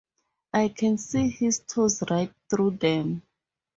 I can see his toes right through them.